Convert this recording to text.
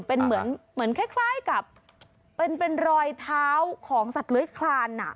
เป็นเหมือนคล้ายกับเป็นรอยเท้าของสัตว์เลื้อยคลาน